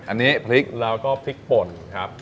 อันนี้พริกแล้วก็พริกป่นครับ